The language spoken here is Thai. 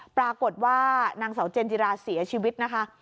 ปรากฏว่านางสาวเจนจิราเสียชีวิตนะคะ